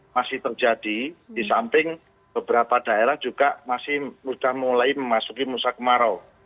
masih terjadi di samping beberapa daerah juga masih sudah mulai memasuki musim kemarau